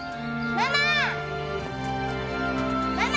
ママ！